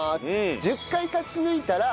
１０回勝ち抜いたら『